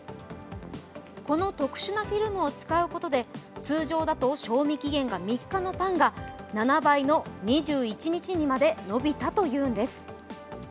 この特殊なフィルムを使うことで通常だと賞味期限が３日のパンが７倍の２１日まで延びたというんです。